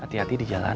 hati hati di jalan